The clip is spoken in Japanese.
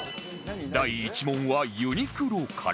第１問はユニクロから